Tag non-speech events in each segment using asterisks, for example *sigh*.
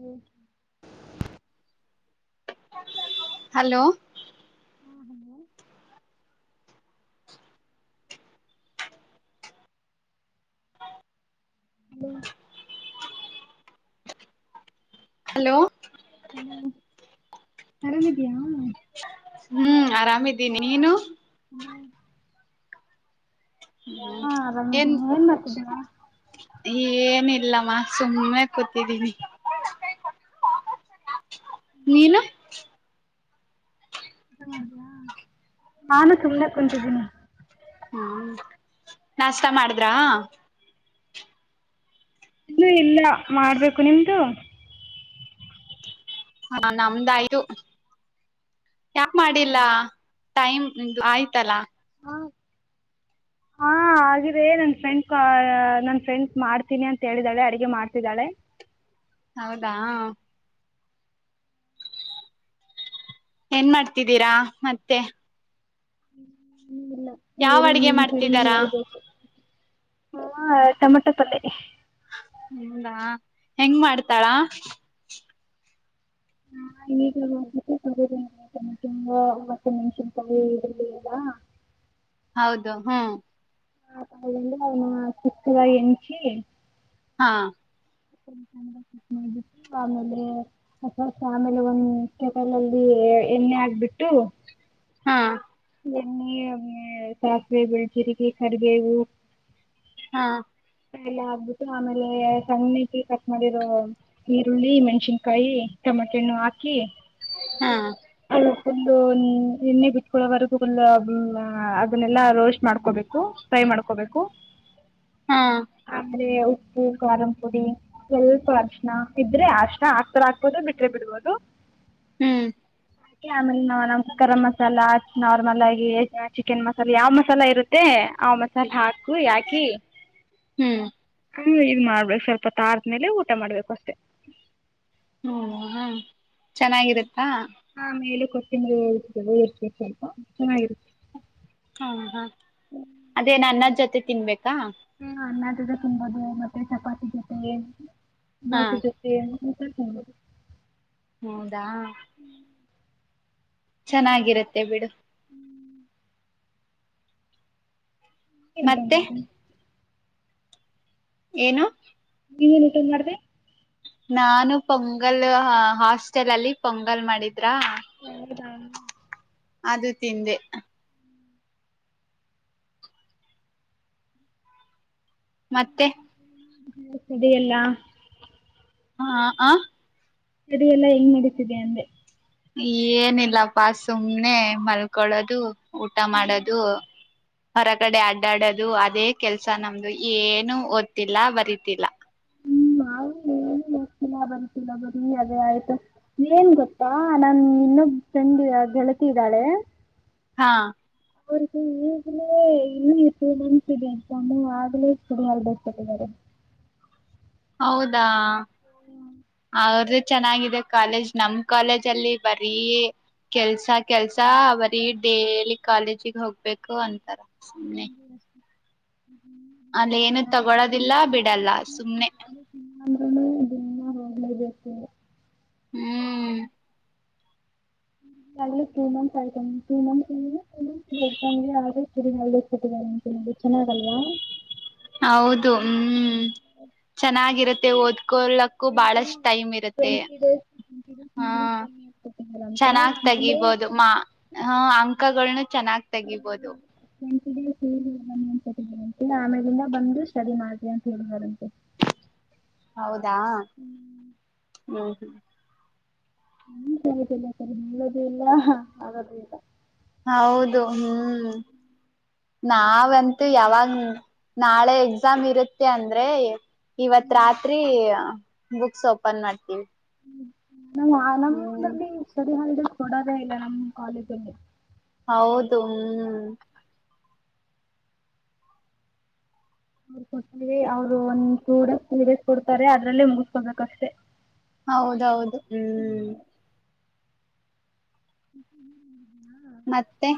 ಹ್ಮ *inaudible* hello hello ಹ್ಮ್ hello hello ಆರಾಮಿದಿಯಾ? ಹ್ಮ್ ಹ್ಮ್ ಆರಾಮಿದ್ದೀನಿ ನೀನು ಹ್ಮ ಹಾ ಏನ್ ಆರಾಮಿದೀನಿ ಮಾಡ್ತಿದ್ದೀರಾ ಏನಿಲ್ ಇಲ್ಲಮ್ಮ ಸುಮ್ಮನೆ ಕೂತಿದ್ದೀನಿ ನೀನು. ಊಟ ಮಾಡಿದ್ಯಾ ನಾನು ಸುಮ್ನೆ ಕುಂತಿದ್ದೀನಿ ಹ್ಮ್ ನಾಷ್ಟ ಮಾಡಿದ್ರಾ ಇನ್ನು ಇಲ್ಲ ಮಾಡ್ಬೇಕು ನಿಮ್ದು? ಹಾ ನಮ್ದಾಯು ಯಾಕ್ ಮಾಡಿಲ್ಲ ಟೈಮ್ ದ್ ಆಯ್ತಲ್ಲ. ಹ ಹಾ ಆಗಿದೆ ನನ್ ಫ್ರೆಂಡ್ ನನ್ ಫ್ರೆಂಡ್ಸ್ ಮಾಡ್ತೀನಿ ಅಂತ ಹೇಳಿದ್ದಾಳೆ ಅಡಿಗೆ ಮಾಡ್ತಿದ್ದಾಳೆ. ಹೌದಾ ಏನ್ ಮಾಡ್ತಿದ್ದೀರಾ ಮತ್ತೆ *inaudible* ಯಾವ್ ಅಡ್ಗೆ ಮಾಡ್ತಿದ್ದಾರ? ಹ ಟಮಟೊ ಪಲ್ಲೆ. ಹ್ಮ್ ದಾ ಹೆಂಗ ಮಾಡ್ತಾಳಾ *unintelligible* ಇರ್ಲಿ ಎಲ್ಲ ಹೌದು ಹ್ಮ್ ಹಾ *unintelligible* ಹಾ ಚ ಮಾಡಬಿಟ್ಟು ಆಮೇಲೆ *unintelligible* ಆಮೇಲೆ ಒಂದ್ ಕೇಟಲಲ್ಲಿ ಎಣ್ಣೆ ಹಾಕ್ಬಿಟ್ಟು ಹಾ ಎಣ್ಣೆ ಸಾಸಿವೆ ಬಿಳ್ ಜೀರಿಗೆ ಕರ್ಬೇವು ಹಾ ಎಲ್ಲ ಹಾಕ್ಬಿಟ್ಟು ಆಮೇಲೆ ಸಣ್ಣುಕೆ ಕಟ್ ಮಾಡಿರೋ ಈರುಳ್ಳಿ ಮೆಣ್ಸಿನ್ಕಾಯಿ ಟೊಮಾಟೆ ಹಣ್ಣು ಹಾಕಿ ಹಾ ಫ ಎಣ್ಣೆ ಬಿತ್ಕೊಳ್ಳವರೆಗು *unintelligible* ಅದನ್ನೆಲ್ಲಾ ರೋಸ್ಟ್ ಮಾಡ್ಕೊಬೇ ಫ್ರೈ ಮಾಡ್ಕೋಬೇಕು ಹಾ ಆಮೇಲೆ ಉಪ್ಪು ಕಾರನ್ ಪುಡಿ ಸ್ವಲ್ಪ ಅರಿಶಿಣ ಇದ್ರೆ ಅರಶಿನ ಹಾಕ್ದ್ರೆ ಹಾಕ್ಬೋದು ಬಿಟ್ರೆ ಬಿಡ್ಬೋದು. ಹ್ಮ್ ಕಿ ಆಮೇಲೆ ನಾವ ನಮ್ ಗರಂ ಮಸಾಲಾ ನಾರ್ಮಲ್ ಆಗಿ ಚಿಕನ್ ಮಸಾಲ ಯಾವ್ ಮಸಾಲ ಇರುತ್ತೆ ಆ ಮಸಾಲ ಹಾಕು ಯಾಕಿ ಹ್ಮ್ ಹ್ಮ ಇದ ಮಾಡ್ಬೇಕ್ ಸ್ವಲ್ಪ ಹೊತ್ತಾದ ಮೇಲೆ ಊಟ ಮಾಡ್ಬೇಕಷ್ಟೆ. ಓ ಹೊ ಚೆನ್ನಾಗಿರತ್ತಾ ಹಾ ಮೇಲೆ ಕೊತ್ತಿ *unintelligible* ಉದುರಿಸ್ಬೇಕ್ ಸ್ವಲ್ಪ ಚೆನ್ನಾಗಿರುತ್ ಹಾ ಹಾ ಅದೇನ್ ಅನ್ನದ್ ಜೊತೆ ತಿನ್ಬೇಕ್ ಹ್ಮ ಅನ್ನದ್ ಝ ತುಂಬದು ಮತ್ತೆ ಚಪಾತಿ ಜೊತೆ. ಹಾ ನೊಸು ಜೊತೆ. ಊಟ ತಿನ್ದು. ನೊವ್ದಾ. ಚೆನ್ನಾಗಿರುತ್ತೆ ಬಿಡು. ಎಂತ ಮತ್ತೆ ಮಾಡೊದು. ಏನು. ನೀನೆನ್ ಊಟ ಮಾಡ್ದೆ. ನಾನು ಪೊಂಗಲ್ ಹಾಸ್ಟೆಲ್ ಅಲ್ಲಿ ಪೊಂಗಲ್ ಮಾಡಿದ್ರ. ಹೌದಾ. ಅದು ತಿಂದೆ. ಮತ್ತೆ *unintelligible* ಹ ತಡೆಯಲ್ಲ. ಹಾ ಅ. ಸ್ಟಡಿ ಎಲ್ಲಾ ಹೆಂಗ್ ನಡಿತಿದೆ ಅಂದೆ. ಏನಿಲ್ಲಪ್ಪಾ ಸುಮ್ನೆ ಮಲ್ಕಳದು. ಊಟ ಮಾಡದು. ಹೊರಗಡೆ ಅಡ್ಡಾಡೋದು ಅದೇ ಕೆಲ್ಸ ನಮ್ದು ಏನು ಓದ್ತಿಲ್ಲ ಬರಿತಿಲ್ಲ. ಹ್ಮ ಅವ್ನ್ ಏನ್ ಓದ್ತಿಲ್ಲ ಬರ್ತೀಲ್ಲ ಬರೀ ಅದೇ ಆಯ್ತು ಏನ್ ಗೊತ್ತಾ ನನ್ ಇನ್ನೊಬ್ ಫ್ರೆಂಡ್ ಗೆಳತಿದ್ದಾಳೆ. ಹಾ. ಅವ್ರಿಗೆ ಈಗ್ಲೇ ಇಲ್ಲಿ ಟೂ ಮಂತ್ಸ್ ಇದೆ ಎಕ್ಸಾಮ್ಸ್ ಆಗ್ಲೇ ಸ್ಟಡಿ ಹೊಲಿಡೇಸ್ ಕೊಟ್ಟಿದರೆ. ಹೌದಾ. ಅವ್ರಿದ್ ಚೆನ್ನಾಗಿದೆ ಕಾಲೇಜ್ ನಮ್ ಕಾಲೇಜ್ ಅಲ್ಲಿ ಬರೀ ಕೆಲ್ಸ ಕೆಲ್ಸ ಬರೀ ಡೇಲಿ ಕಾಲೇಜಿಗ್ ಹೋಗ್ಬೇಕು ಅಂತರ. ಸುಮ್ನೆ. ಅಲ್ ಏನು ತಗೊಳೋದಿಲ್ಲ ಬಿಡಲ್ಲ ಸುಮ್ನೆ. ನಮ್ಮೂಗುನು ದಿನ್ನ ಹೋಗ್ಲೇಬೇಕು. ಹ್ಮ್. ಗ್ಲು ಟೂ ಮಂತ್ಸ್ ಆಯ್ತ two months two months exam ಆದ್ರೂ ಚುರಿ ಕೊಟ್ಟಿದ್ದಾರೆ ಅಂತದು ಚೆನ್ನಾಗಿ ಅಲ್ವಾ. ಹೌದು ಮತ್ತೆ ಓದ್ಕೋಲಕ್ಕೂ ಬಹಳಷ್ಟ ಟೈಮ್ ಇರುತ್ತೆ ಟ್ವೆಂಟಿ ಡೇಸ್ ಟ್ವೆಂಟಿ ಹ್ಮ ಡೇಸ್ ಬನ್ನಿ ಅಂತ ಕೊಟ್ಟಿದ್ದಾರೆ ಅಂತ. ಚನ್ನಾಗ್ ಆಮೇಲೆ ತೆಗಿಬೋದು ಮಾ ಅಂಕಗಳನ್ನ. ಚೆನ್ನಾಗ್ ತೆಗಿಬೋದು. *unintelligible* ಕೇಳಿ ಬನ್ನಿ ಅಂತ ಆಮೇಲಿಂದ ಬಂದು ಸ್ಟಡಿ ಮಾಡ್ರಿ ಅಂತ ಹೇಳಿದರೆ. ಹೌದಾ ಹ್ಮ್. ಹ್ಮ್. ಹ್ಮ ಸರಿತಿಲ್ಲ ಸರಿ ಹೇಳದು ಇಲ್ಲ ಆಗದು ಇಲ್ಲ. ಹೌದು ಹ್ಮ್ ನಾವಂತೂ ಯಾವಾಗ್ ನಾಳೆ ಎಕ್ಸಾಮ್ ಇರುತ್ತೆ ಅಂದ್ರೆ ಇವತ್ ರಾತ್ರಿ ಬುಕ್ಸ್ ಓಪನ್ ಮಾಡ್ತೀವಿ. ನಾವ ಹ್ಮ್ ನಮ್ದ್ರಲ್ಲಿ ಸ್ಟಡಿ ಹಾಲಿಡೇಸ್. ಕೊಡದೆ ಇಲ್ಲ ನಮ್ಮ್ ಕಾಲೇಜಲ್ಲಿ. ಹೌದು ಹ್ಮ್. ಅವ್ರ್ ಕೊಟ್ರೆ ಅವ್ರು ಒಂದ್ ಟುಡೇಸ್ ತ್ರಿಡೇಸ್ ಕೊಡ್ತಾರೆ ಅದ್ರಲ್ಲೇ ಮುಗುಸ್ಕೊಬೇಕಷ್ಟೆ. ಹೌದೌದು ಹ್ಮ್. ಹ್ಮ್ಮ್ಮ್ಮ ಯ. ಮತ್ತೆ.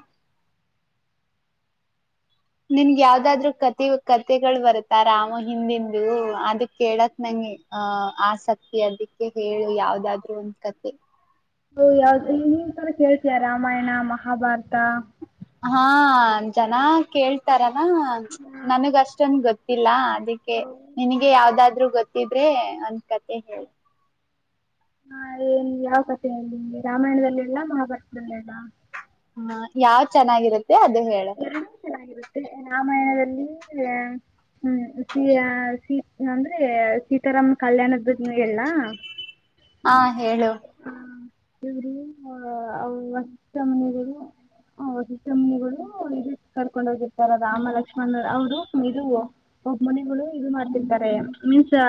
ನಿನ್ಗ ಯಾವ್ದಾದ್ರು ಕತಿ ಕತೆಗಳ್ ಬರುತ್ತ ರಾಮ ಹಿಂದಿಂದು ಅದ್ ಕೆಳಕ್ ನಂಗೆ ಆಹ ಆಸಕ್ತಿ ಅದಿಕ್ಕೆ ಹೇಳು ಯಾವ್ದಾದ್ರು ಒಂದ್ ಕತೆ. ಉ ಯಾವ್ದ ಇನ್ನಿನ್ಸಲ ಕೇಳ್ತೀಯಾ ರಾಮಾಯಣ ಮಹಾಭಾರತ. ಹಾ ಜನ ಕೇಳ್ತಾರ ಹ ನನ್ಗ ಅಷ್ಟೊಂದ್ ಗೊತ್ ಇಲ್ಲಾ ಅದ್ ಅದಿಕ್ಕೆ ನಿನ್ಗೆ ಯಾವ್ದಾದ್ರೂ ಗೊತ್ ತಿದ್ರೆ ಒಂದ್ ಕತೆ ಹೇಳ್. ಹಾ ಏನ್ ಯಾವ್ ಕಥೆ ಹೇಳಿ ನಿಮ್ಗೆ ರಾಮಾಯಣದಲ್ಲಿ ಹೇಳ ಮಹಾಭಾರತದಲ್ ಹೇಳ. ಹ ಯಾವ್ ಚೆನ್ನಾಗಿರುತ್ತೆ. ದೆ ಅದೇ ಹೇಳ. ಮ ರಾಮಾಯಣದಲ್ಲಿ ಹ್ಮ್ ಸಿ ಅಂದ್ರೆ ಸೀತಾರಾಮ್ ಕಲ್ಯಾಣದ್ ಬಿಟ್ನು ಹೇಳ. ಹಾ ಹೇಳು. ಇವ್ರು ವಶಿಷ್ಟ ಮುನಿಗಳು ವಶಿಷ್ಟ ಮುನಿಗಳು. ದು ಇದುಕ್ ಕರ್ಕೊಂಡ್ ಹೋಗಿರ್ತಾರೆ ರಾಮ ಲಕ್ಷ್ಮಣ ಅವ್ರು ಇದು ಒಬ್ ಮುನಿಗಳು ಇದು ಮಾಡ್ತಿರ್ತಾರೆ ಮೀನ್ಸ್ ಅ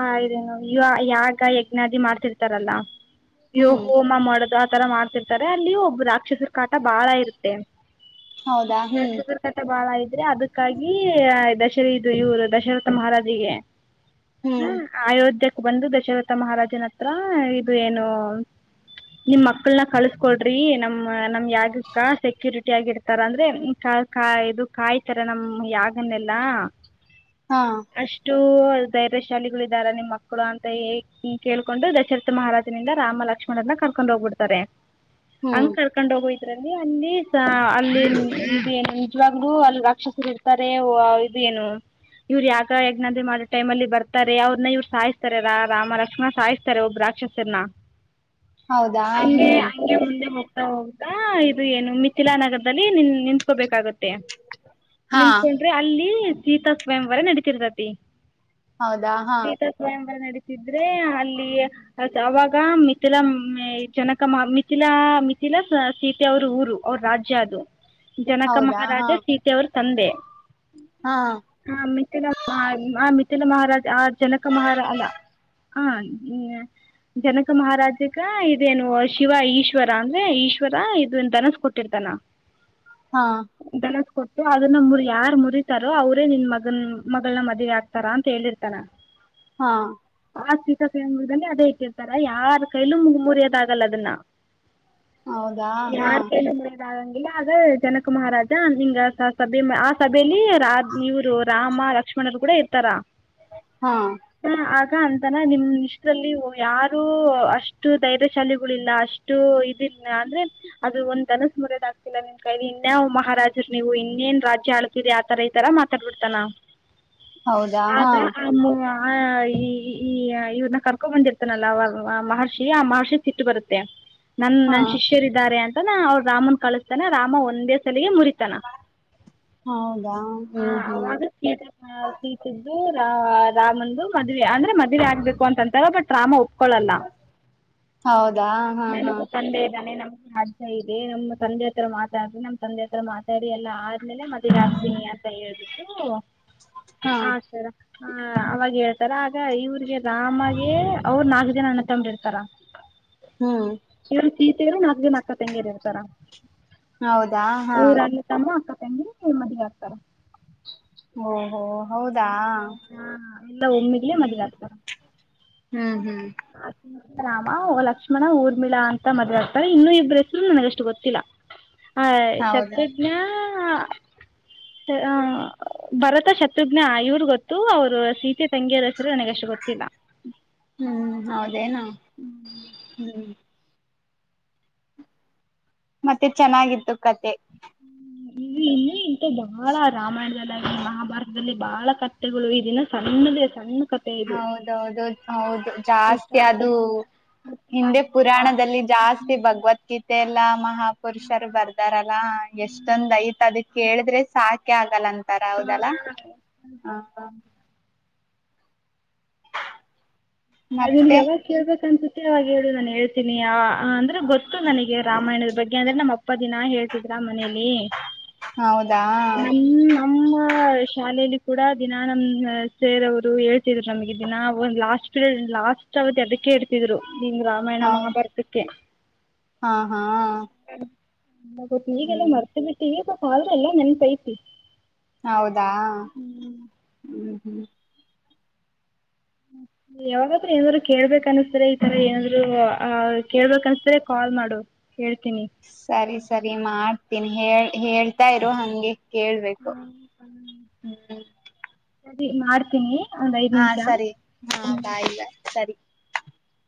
ಅ ಇದೇನು ಯ ಯಾಗ ಯಜ್ಞಾದಿ ಮಾಡ್ತಿರ್ತಾರಲ್ಲ. ಯೊ ಹ್ಮ್ ಹೋಮ ಮಾಡದು ಅದ್ ತರ ಮಾಡ್ತಿರ್ತಾರೆ ಅಲ್ಲಿ ಒಬ್ ರಾಕ್ಷಸ್ರ ಕಾಟ ಬಾಳ ಇರುತ್ತೆ. ಹೌದಾ ಹ್ಮ್ ರಾಕ್ಷಸ್ರ್ ಕಾಟ ಬಾಳ ಇದ್ರೆ ಅದಕ್ಕಾಗಿ ಇದ್ ಅಷ್ ಶರಿ ಇದು ಇವ್ರು ದಶರಥ ಮಹಾರಾಜ್ರಿಗೆ. ಹ್ಮ ಹ್ಮ್ ಅಯೋಧ್ಯ. ಬಂದು ದಶರಥ ಮಹಾರಾಜನ್ ಹತ್ರ ಇದು ಏನು ನಿಮ್ ಮಕ್ಳನ ಕಳ್ಸ್ಕೊಡ್ರಿ ನಮ್ ನಮ್ ಯಾಗಕ್ಕ ಸೆಕ್ಯೂರ್ ಟಿ ಯಾಗಿಡ್ತಾರ ಅಂದ್ರೆ ಕಾಳ ಕಾಳ ಕ ಇದು ಕಾಯ್ ಕಾಯ್ ತರ ನಮ್ ಯಾಗನ್ನೆಲ್ಲಾ. ಹಾ ಅಷ್ಟು ಧೈರ್ಯ ಶಾಲಿಗಳು ಇದ್ದಾರ ನಿಮ್ಮ ಮಕ್ಳು ಅಂತ ಹೇಳ್ ಕೇಳ್ಕೊಂಡು ದಶರಥ ಮಹಾರಾಜನಿಂದ ರಾಮ ಲಕ್ಷ್ಮಣನ್ನ ಕಳ್ಕೊಂಡ್ ಹೋಗ್ಬಿಡ್ತಾರೆ. ಹ್ಮ್ ಹಂಗ ಕರ್ಕೊಂಡ ಹೋಗ ಅದರಲಿ ಅಲ್ಲಿ ಅಲ್ಲಿ ಇದ ಏನು ನಿಜವಾಗ್ಲೂ ಅಲ್ಲಿ ರಾಕ್ಷಸರು ಇರ್ತಾರೆ ಒ ಇದ ಏನು ಇವ್ರು ಯಾಕ ಯಜ್ಞಾದ ಮಾಡೋ ಟೈಮ್ ಅಲ್ಲಿ ಬರ್ತಾರೆ ಅವ್ರನ್ನ ಇವ್ರು ಸಾಯ್ತಾರೆ ರಾ ರಾಮ ಲಕ್ಷ್ಮಣ ಸಾಯಿಸ್ತಾರೆ ಒಬ್ಬ ರಾಕ್ಷಸರನ ಹೌದಾ ಹಂಗೆ ಹ್ಮ್ ಹಂಗೆ ಮುಂದೆ ಹೋಗ ಹೌದಾ ಇದು ಏನು ಮೀ ಮಿಥಿಲಾನಗರದಲ್ಲಿ ನಿನ್ ನಿತ್ಕೋಬೇಕಾಗತ್ತೆ. ಹಾ ನಿಂತ್ಕೊಂಡ್ರೆ ಅಲ್ಲಿ, ಸೀತಾ ಸ್ವಯಂವರ ನಡೀತೀರ್ತೈತಿ ಹೌದಾ ಹಾ ಸೀತಾ ಸ್ವಯಂವರ ನಡತ ಇದ್ರೆ ಅಲ್ಲಿ ಅವಾಗ ಮಿಥಿಲಾ ಜನಕ ಮಾ ಮಿಥಿಲಾ ಮಿಥಿಲಾ ಸೀತೆ ಅವರ ಊರು ಅವ್ರ ರಾಜ್ಯ ಅದು ಜನಕ ಹೌದಾ ಮಹಾರಾಜ ಹಾ ಸೀತೆ ಅವ್ರ ಕಿಷ್ಕಂದೆ ಹಾ ಹಾ ಮಿಥಾಲ ಹ *unintelligible* ಮಿಥಿಲ ಮಿಥಿಲ ಮಹಾರಾಜ ಆ ಜನಕ ಮಹಾರ ಅಲ್ಲ ಹ ಜನಕ ಮಹಾರಾಜಗ ಇದೇನು ಶಿವ ಈಶ್ವರ ಅಂದ್ರೆ ಈಶ್ವರ ಇದ ದನಸ ಕೊಟ್ಟ ಕೊಟ್ಟಿರ್ತಾನ. ಹಾ ಧನಸ್ಸ ಕೊಟ್ಟು ಅದನ್ನ ಮುರಿ ಯಾರ ಮುರಿತಾರೋ ಅವ್ರೇ ನಿನ್ ಮಗನ್ ಮಗಳನ ಮದ್ವೆ ಆಗ್ತಾರ ಅಂತ ಹೇಳಿರ್ತಾನ ಹಾ ಆ *unintelligible* ದಲ್ಲಿ ಅದೇ ಇಕಿರ್ತಾರ ಯಾರ ಕೈಲೂ ಮು ಮುರಿಯೋಕಾಗಲ್ಲ ಅದನ್ನ ಹೌದಾ ಹಾ ಮುರಿಯೋಕಾಗಂಗಿಲ್ಲ ಅದ ಜನಕ ಮಹಾರಾಜ ಹಿಂಗ ಸಭೆ ಆ ಸಭೆಯಲ್ಲಿ ಇವರು ರಾಮ ಲಕ್ಷ್ಮಣರು ಕೂಡ ಇರ್ತಾರ ಹಾ ಅಂತನ ನಿಮ್ ಇಷ್ಟರಲ್ಲಿ ಯಾರು ಅಷ್ಟು ಧೈರ್ಯ ಶಾಲಿಗಳಿಲ್ಲ ಅಷ್ಟು ಇದಿಲ್ಲ ಅಂದ್ರೆ ಅದು ಒಂದ ಧನಸ್ಸು ಮುರಯಕಾಗ್ತಿಲ್ಲಾ ನಿನ್ ಕೈಲಿ ಇನ್ಯ್ ಮಹಾರಾಜರು ನೀವು ಇನ್ನೇನ್ ರಾಜ್ಯ ಆಳ್ತರಿ ಆತರ ಈತರ ಮಾತಾಡ್ಬಿಡ್ತಾನ ಅವ ಹೌದಾ ಆಗ ಹಾ ಆ *unintelligible* ಆ ಈ ಈ ಇವ್ರನ್ನ ಕರ್ಕೊ ಬಂದಿರ್ತಾನಲ್ಲ ಅವ ಮಹರ್ಷಿ ಆ ಮಹರ್ಷಿ ಸಿಟ್ಟ ಬರುತ್ತೆ ನನ್ ಹಾ ನನ್ನಾ ಶಿಷ್ಯರ ಇದಾರೆ ಅನ್ನತನ ಅವ ರಾಮನ ಕಳಸ್ತಾನ ರಾಮ ಒಂದೇ ಸಲಿಗೆ ಮುರಿತ ಹೌದಾ ಮುರಿತನ ಹ್ಮ್ ಹ್ಮ್ ಅವಾಗ ಸೀತೆದ್ದು *unintelligible* ಹ ರಾಮಂದು ಮದುವೆ ಅಂದ್ರ ಮದುವೆ ಆಗ್ಬೇಕು ಅಂತ ಅನ್ನತಾರ ಬಟ್ ರಾಮ ಓಪ ಒಪ್ಕೋಳಲ್ಲ ಹೌದಾ ಹಾ ಹಾ ನನಗೂ ತಂದೆ ಇದ್ದಾನೆ ನಮ್ಮ ಅಜಯ್. ಏ ನಮ್ಮ್ ತಂದೆ ಹತ್ರ ಮಾತಾಡ್ರಿ ನಮ್ ತಂದೆ ಹತ್ರ ಮಾತಾಡಿ ಎಲ್ಲ ಅದ್ ಆಮೇಲೆ ಮದ್ವೆ ಹಾಗ್ತೀನಿ ಅಂತ ಹೇಳ್ಬಿಟ್ಟು ಹಾ ಆ ಸರ. ಹ ಅವಾಗ ಹೇಳ್ತಾರ ಆಗ ಇವ್ರಿಗೆ. ರಾಮಾಗೆ ಅವ್ರು ನಾಲ್ಕು ಜನ ಅಣ್ಣ ತಮ್ಮದಿರ್ ಸರ ಹ್ಮ್ *unintelligible* ನಾಕ್ ಜನ ಅಕ್ಕ ತಂಗ್ಯರು. ಚರ ಹೌದಾ ಹಾ *unintelligible* ಮದುವೆ ಆಗ್ತಾರ ಓಹೋ ಹೌದಾ ಹಾ ಎಲ್ಲ ಒಮ್ಮಿಗ್ಲೆ ಹ್ಮ್ ಮದ್ವೆ ಆಗ್ತಾರ ಹ್ಮ್ ಹ್ಮ್ ರಾಮ ಓ ಲಕ್ಷ್ಮಣ ಊರ್ಮಿಳಾ ಅಂತ ಮದ್ವೇಯಾಗ್ತಾರೆ ಇನ್ನುೂ ಇಬ್ರ್ ಹೆಸರು ನನ್ಗಷ್ಟು ಗೊತ್ತಿಲ್ಲ. ಹಾ ಹೌದಾ ಶತೃಜ್ಞ ಆ ಹ ಭರತ ಶತ್ರು ನ ಇವರು ಗೊತ್ತು ಅವ್ರು ಸೀತೆ ತಂಗಿಯರ್ ಹೆಸ್ರು ನನಗಷ್ಟು ಗೊತ್ತಿಲ್ಲ. ಹ್ಮ್ ಹೌದೇನು ಹ್ಮ್ ಮತ್ತೆ ಚೆನ್ನಾಗಿತ್ತು ಕತೆ ಇದು ಇನ್ನು ಇಂತ ಬಾಳ ರಾಮಾಯಣದಲ್ಲಾಗಿ ಮಹಾಭಾರ ಲ್ಲಿ ಬಾಳ ಕಟ್ಟೆಗಳು ಇದಿನ ಸಣ್ಣದೇ ಸಣ್ ಹೌದೌದು ಹೌದು ಜಾಸ್ತಿ ಅದು ಸ್ಟಾರ್ಟಿಂಗಿಂದ ಹಿಂದೆ ಪುರಾಣದಲ್ಲಿ ಜಾಸ್ತಿ ಭಗವದ್ಗೀತೆ ಎಲ್ಲ ಮಹಾಪುರುಷರು ಬರ್ದಾರಲ್ಲಾ ಎಷ್ಟೊಂದ್ ಐತ ಅದಿ ಕೇಳಿದ್ರೆ ಸಾಕೆ ಆಗಲ್ಲನ್ ಹ್ಮ *unintelligible* ನಾ ನಿನ್ಗೆ ಮತ್ತೆ ಯಾವಾಗ ಕೇಳ್ಬೇಕನ್ಸು ತ್ತೆ ಅವಾಗ್ ಹೇಳು ನಾನು ಹೇಳ್ತೀನಿ ಯಾವ ಆ ಅಂದ್ರೆ ಗೊತ್ತು ನನಗೆ ರಾಮಾಯಣದ ಬಗ್ಗೆ ಅಂದ್ರೆ ನಮ್ಮ ಇಪ್ಪ ದಿನಾ ಹೇಳ್ತಿದ್ರ ಮ ಮನೆಲಿ ಹೌದಾ ನಮ್ ನಮ್ಮ ಶಾಲೆಯಲ್ಲಿ ಕೂಡ ದಿನ ನಮ್ ಸೇರವ್ರು ಹೇಳ್ತಿದ್ರು ನಮಗೆ ದಿನ ಒಂದ್ ಲಾಸ್ ಲಾಸ್ಟ್ ಅವತ್ ಅದಕ್ಕೆ ಇಡ್ತಿದ್ರು. ಹಿಂಗ್ ರಾಮಾಯಣ ಹೌದ್ ಮಹಾಭಾರತಕ್ಕೆ ಹಾ ಹಾ *unintelligible* ಎ ಬಟ್ ಈಗೆಲ್ಲ ಹ್ಮ್ ಮರ್ತಿಬಿಟ್ಟಿವಿ ಬ ಆದ್ರೂ ಎಲ್ಲ ನೆನಪ್ ಅಯ್ತಿ. ಹೌದಾ ಹ್ಮ. ಹ್ಮ್. ಯಾವಾಗಾದ್ರು ಏನಾದ್ರು ಕೇಳ್ಬೇಕ್ ಅನ್ನುಸ್ ಸರೆ ಇತರ ಏನಾದ್ರು. ಆ ಕೇಳ್ಬೇಕ್ ಅನ್ಸಿದ್ರೆ ಕಾಲ್ ಮಾಡು. ಹೇಳ್ತೀನಿ ಸರಿ ಸರಿ ಮಾಡ್ ತಿನಿ ಹೇಳ್ ಹೇಳ್ತಾ ಇರು ಹಂಗೆ. ಕೇಳ್ಬೇಕು ಹ್ಮ್. ಸರಿ ಮಾಡ್ತೀನಿ. ಒಂದು ಐದು ಹಾ ನಿಮಿಷ ಸರಿ ಹಾ ಬಾಯ್ ಬಾಯ್ ಸರಿ. *unintelligible*